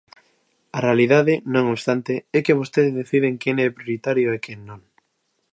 A realidade, non obstante, é que vostede deciden que é prioritario e que non.